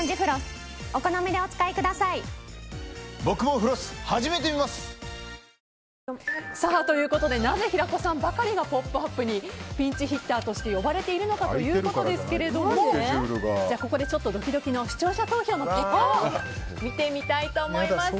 もちろんうれしいんですけどもなぜ平子さんばかりが「ポップＵＰ！」にピンチヒッターとして呼ばれているのかということですがここでドキドキの視聴者投票の結果を見てみたいと思います。